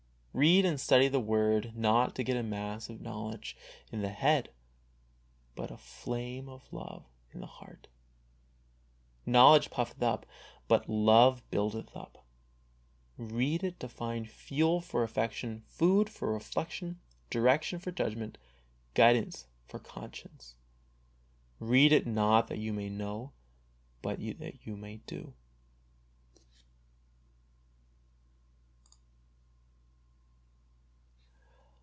III. Read and study the Word not to get a mass of know ledge in the head^ but a flame of love in the heart, "Knowledge puffeth up," but " love buildeth up." Read it to find fuel for affection, food for reflection, direction for judgment, guidance for conscience. Read it not that you may know, but that you may do.